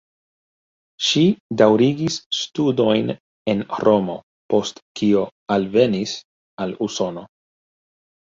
Ŝi daŭrigis studojn en Romo, post kio alvenis al Usono.